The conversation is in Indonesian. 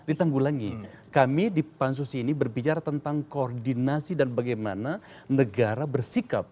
ditanggulangi kami di pansus ini berbicara tentang koordinasi dan bagaimana negara bersikap